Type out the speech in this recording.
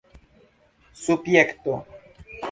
subjekto